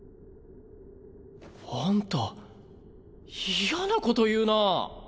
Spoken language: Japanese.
あんた嫌なこと言うなぁ。